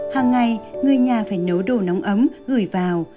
hàng ngày người nhà phải nấu đồ nóng ấm gửi vào